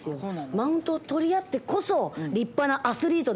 マウントを取り合ってこそ立派なアスリートですから。